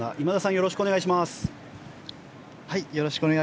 よろしくお願いします。